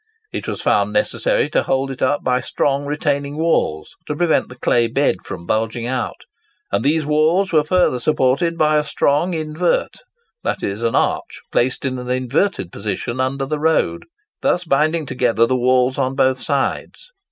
It was found necessary to hold it up by strong retaining walls, to prevent the clay bed from bulging out, and these walls were further supported by a strong invert,—that is, an arch placed in an inverted position under the road,—thus binding together the walls on both sides.